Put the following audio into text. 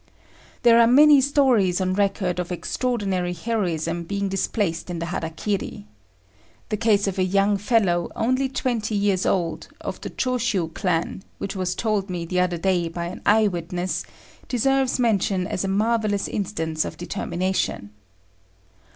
There are many stories on record of extraordinary heroism being displayed in the hara kiri. The case of a young fellow, only twenty years old, of the Choshiu clan, which was told me the other day by an eye witness, deserves mention as a marvellous instance of determination.